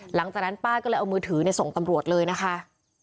หลังจากนั้นป้าก็เลยเอามือถือส่งตำรวจเลยนะคะ